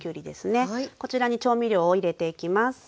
こちらに調味料を入れていきます。